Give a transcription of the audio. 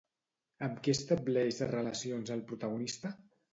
Amb qui estableix relacions el protagonista?